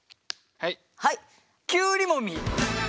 はい。